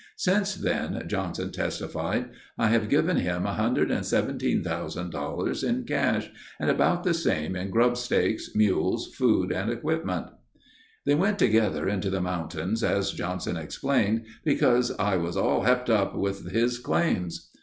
"Since then," Johnson testified, "I have given him $117,000 in cash and about the same in grubstakes, mules, food, and equipment." They went together into the mountains as Johnson explained, "because I was all hepped up with his ... claims."